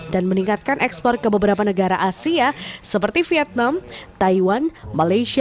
dan meningkatkan ekspor ke beberapa negara asia seperti vietnam taiwan malaysia